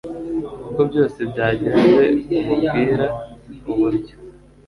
uko byose byagenze amubwira uburyo